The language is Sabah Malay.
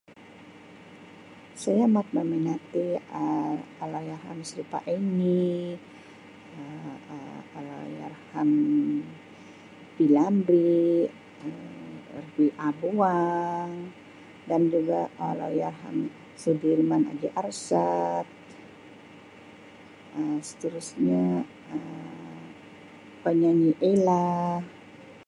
Saya amat meminati Um Allahyarham Sharifah Aini Um Allahyarham P Lamree, Um Rafeah Buang dan juga Allahyarham Sudirman Haji Arshad Um seterusnya Um penyanyi Ella.